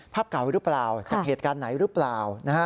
เก่าหรือเปล่าจากเหตุการณ์ไหนหรือเปล่า